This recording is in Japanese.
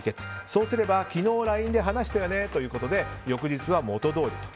そうすれば昨日ＬＩＮＥで話したよねということで翌日は元どおりと。